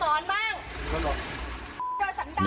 พี่แม่งตายตกผู้ชายกันล่ะ